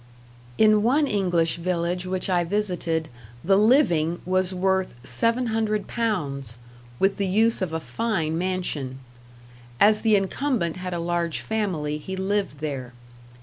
In one English village which I visited the living was worth seven hundred pounds, with the use of a fine mansion; as the incumbent had a large family, he lived there.